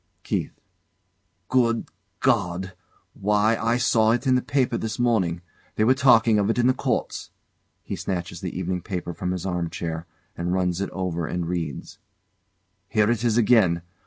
KEITH. Good God! Why, I saw it in the paper this morning. They were talking of it in the Courts! [He snatches the evening paper from his armchair, and runs it over anal reads] Here it is again.